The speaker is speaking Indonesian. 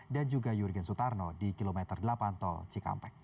dan juga jurgen sutarno di kilometer delapan tol cikampek